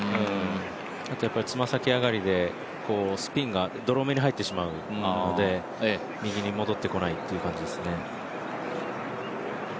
あと爪先上がりでスピンがドロー目に入ってしまうので、右に戻ってこないという感じですね。